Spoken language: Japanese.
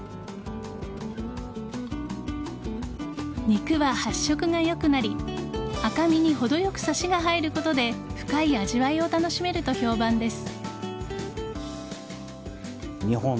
肉は発色が良くなり赤身にほどよくサシが入ることで深い味わいを楽しめると評判です。